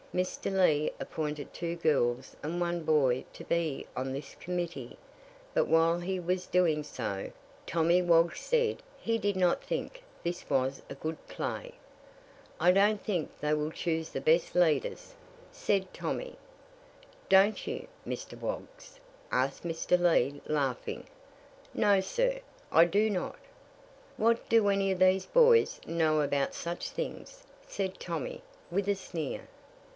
Mr. Lee appointed two girls and one boy to be on this committee; but while he was doing so, Tommy Woggs said he did not think this was a good play. "I don't think they will choose the best leaders," said Tommy. "Don't you, Mr. Woggs?" asked Mr. Lee, laughing. "No, sir, I do not. What do any of these boys know about such things!" said Tommy, with a sneer.